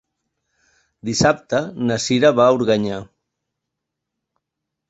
Dissabte na Cira va a Organyà.